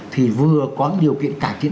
thì vừa có cái điều kiện cải thiện